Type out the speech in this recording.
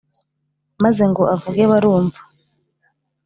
maze ngo avuge barumva